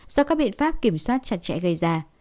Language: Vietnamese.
do các biện pháp kiểm soát chặt chẽ gây ra